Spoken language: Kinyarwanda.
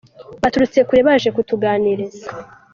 Baturutse kure baje kutuganiriza.